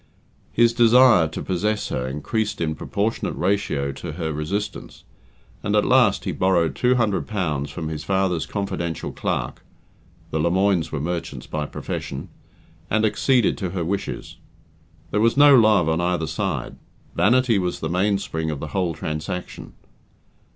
His desire to possess her increased in proportionate ratio to her resistance, and at last he borrowed two hundred pounds from his father's confidential clerk (the Lemoines were merchants by profession), and acceded to her wishes. There was no love on either side vanity was the mainspring of the whole transaction.